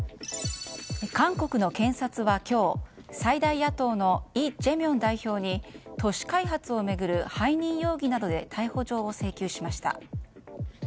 韓国の検察は今日最大野党のイ・ジェミョン代表に都市開発を巡る背任容疑などで逮捕状を請求しました。